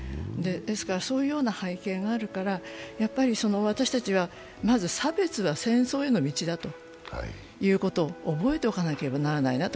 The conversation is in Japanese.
そういうような背景があるからやっぱり私たちはまず差別は戦争への道だということを覚えておかなければならないなと。